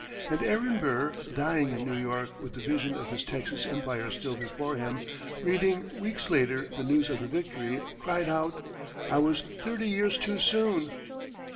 And Aaron Burr, dying in New York with the vision of his Texan empire still before him, reading, weeks later, the news of the victory, cried out, "I was thirty years too soon!"